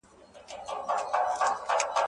لیکوال باید د تاریخ لیکلو پر مهال بې طرفه پاتې سي.